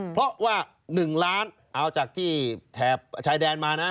เพราะว่า๑ล้านเอาจากที่แถบชายแดนมานะ